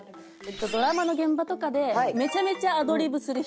ドラマの現場とかでめちゃめちゃアドリブする人。